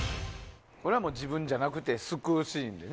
これは自分じゃなくて救うシーンでね。